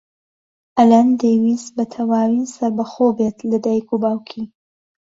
ئەلەند دەیویست بەتەواوی سەربەخۆ بێت لە دایک و باوکی.